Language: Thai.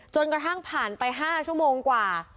กระทั่งผ่านไป๕ชั่วโมงกว่า